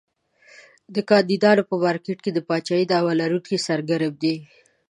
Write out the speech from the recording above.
د کاندیدانو په مارکېټ کې د پاچاهۍ دعوی لرونکي سرګرم دي.